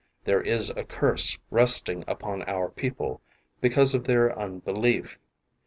There is a curse resting upon our people, because of their unbelief.